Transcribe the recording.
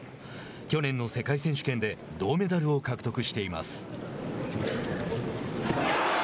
去年の世界選手権で銅メダルを獲得しています。